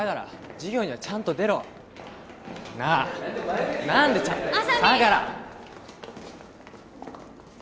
授業にはちゃんと出ろなあ何でちゃんとあさみん相良！